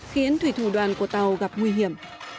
khiến thủy thủ đoàn của tàu gặp nguy hiểm